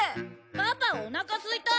パパおなかすいた！